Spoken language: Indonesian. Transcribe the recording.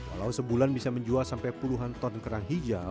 walau sebulan bisa menjual sampai puluhan ton kerang hijau